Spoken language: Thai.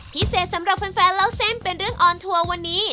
พิเศษสำหรับแฟนเล่าเส้นเป็นเรื่องออนทัวร์วันนี้